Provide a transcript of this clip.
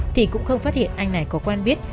thì cũng không phát hiện anh này có quan biến